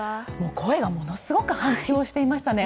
声がものすごく反響していましたね。